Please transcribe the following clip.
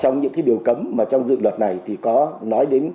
trong những cái điều cấm mà trong dự luật này thì có nói đến